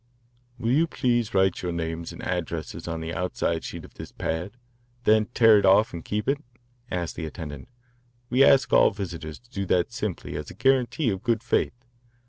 "Will you please write your names and addresses on the outside sheet of this pad, then tear it off and keep it?" asked the attendant. "We ask all visitors to do that simply as a guarantee of good faith.